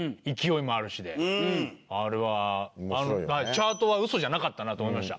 チャートはウソじゃなかったなと思いました。